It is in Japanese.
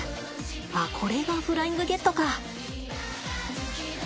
ああこれがフライングゲットか。